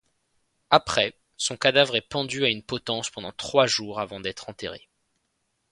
Après, son cadavre est pendu à une potence pendant trois jours avant d'être enterrée.